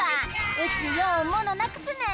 うちようものなくすねん。